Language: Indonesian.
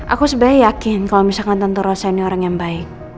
aku sebenernya yakin kalo misalkan tante rosa ini orang yang baik